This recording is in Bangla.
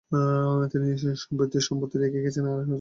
তিনি সম্পত্তি রেখে গেছেন, তার আয় হয় বছরে চার লক্ষ টাকা।